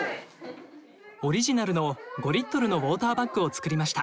オリジナルの５リットルのウォーターバッグを作りました。